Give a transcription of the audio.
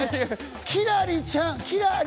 輝星ちゃん。